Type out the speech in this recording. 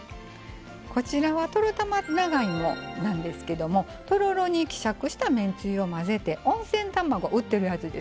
こちらはトロたま長芋なんですけどもとろろに希釈しためんつゆを混ぜて温泉卵売ってるやつですね